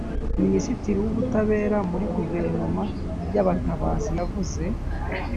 Minisitirii w Ubutabera muri Guverinema y Abatabazi yavuze